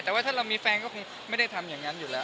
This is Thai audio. แต่ว่าถ้าเรามีแฟนก็คงไม่ได้ทำอย่างนั้นอยู่แล้ว